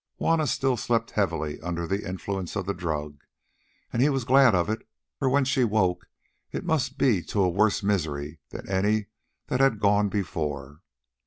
Juanna still slept heavily under the influence of the drug, and he was glad of it, for when she woke it must be to a worse misery than any that had gone before.